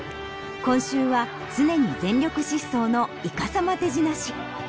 今週は常に全力疾走のいかさま手品師。